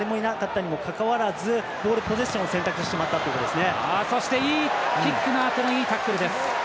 裏にいたにもかかわらずボールポゼッションを選択してしまったということです。